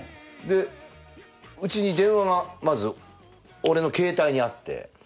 でうちに電話がまず俺のケータイにあって。